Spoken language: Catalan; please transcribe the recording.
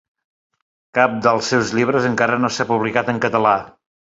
Cap dels seus llibres encara no s’ha publicat en català.